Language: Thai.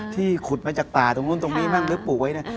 ที่ขุดมาจากตาตรงนู้นตรงนี้บ้างเลือดปู่ไว้เนี่ย